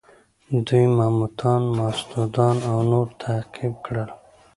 دوی ماموتان، ماستودان او نور تعقیب کړل.